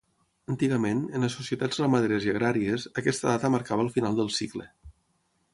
Antigament, en les societats ramaderes i agràries, aquesta data marcava el final del cicle.